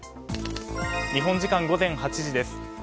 日本時間午前８時です。